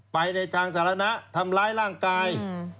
ไปในทางสาธารณะทำร้ายร่างกาย